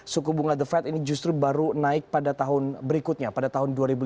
suku bunga the fed ini justru baru naik pada tahun berikutnya pada tahun dua ribu lima belas